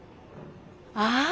ああ！